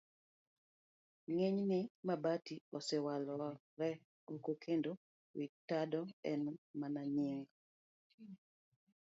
Ng'eny gi mabati osewalore oko kendo wi tado en mana nying.